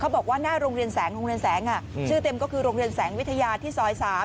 บอกว่าหน้าโรงเรียนแสงโรงเรียนแสงชื่อเต็มก็คือโรงเรียนแสงวิทยาที่ซอย๓